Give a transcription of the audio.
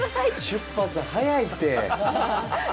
出発、早いって！